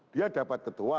dia dapat ketua